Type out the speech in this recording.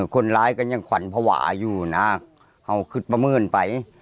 คนร้ายก็ยังขวัญภาวะอยู่นะเอาขึ้นประเมินไป